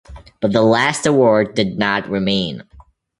But the last award did not remain.